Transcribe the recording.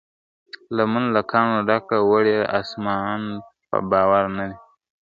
لمن له کاڼو ډکه وړي اسمان په باور نه دی ,